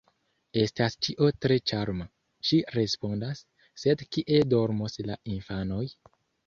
“Estas ĉio tre ĉarma”, ŝi respondas, “sed kie dormos la infanoj?”